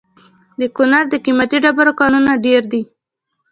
د کونړ د قیمتي ډبرو کانونه ډیر دي.